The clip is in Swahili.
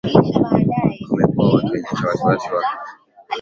wamekuwa wakionyesha wasiwasi huo kwamba yawezekana wao hawata